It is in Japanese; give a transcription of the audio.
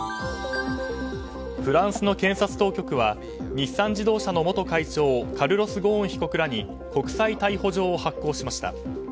フランスの検察当局は日産自動車の元会長カルロス・ゴーン被告らに国際逮捕状を発行しました。